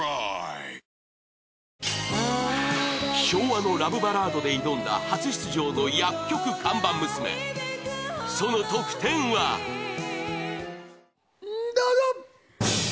昭和のラブバラードで挑んだ初出場の薬局看板娘どうぞ。